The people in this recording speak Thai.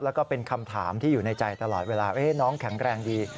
แล้วก็เป็นคำถามที่อยู่ในใจตลอดเวลาน้องแข็งแรงดี